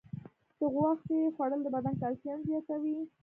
د غوښې خوړل د بدن کلسیم زیاتوي.